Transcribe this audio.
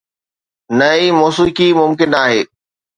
نه ئي موسيقي ممڪن آهي.